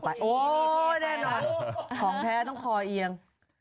ของแท้ต้องคอเอียง